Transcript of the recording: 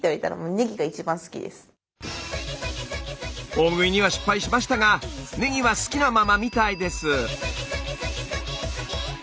大食いには失敗しましたがねぎは好きなままみたいです。